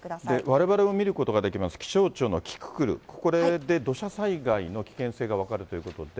われわれも見ることができます、気象庁のキキクル、これで土砂災害の危険性が分かるということで。